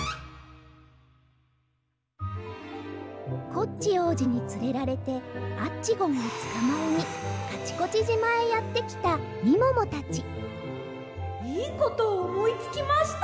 コッチおうじにつれられて「アッチゴン」をつかまえにカチコチじまへやってきたみももたちいいことをおもいつきました！